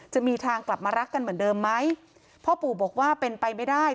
จะมีทางกลับมารักกันเหมือนเดิมไหมพ่อปู่บอกว่าเป็นไปไม่ได้